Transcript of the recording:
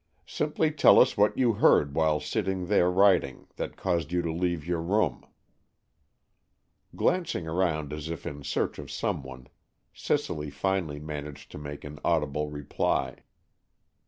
"Simply tell us what you heard while sitting there writing, that caused you to leave your room." Glancing around as if in search of some one, Cicely finally managed to make an audible reply.